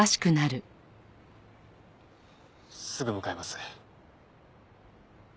すぐ向かいます。